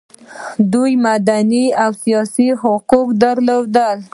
دوی مدني او سیاسي حقوق درلودل.